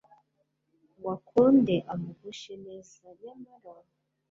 ngo akunde amugushe neza nyamara